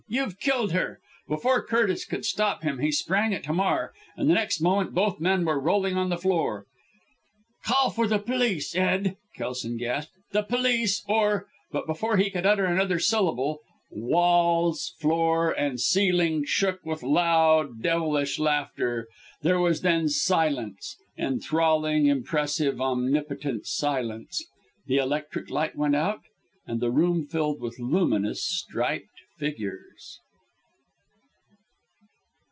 You've killed her!" Before Curtis could stop him he sprang at Hamar, and the next moment both men were rolling on the floor. "Call for the police, Ed!" Kelson gasped, "the police or " But before he could utter another syllable, walls, floor and ceiling shook with loud, devilish laughter. There was then silence enthralling, impressive, omnipotent silence the electric light went out and the room filled with luminous, striped figures.